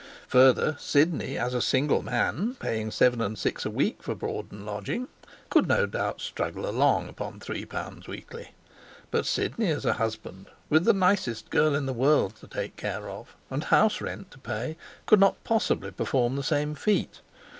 Further, Sidney as a single man, paying seven and six a week for board and lodging, could no doubt struggle along upon three pounds weekly. But Sidney as a husband, with the nicest girl in the world to take care of, and house rent to pay, could not possibly perform the same feat.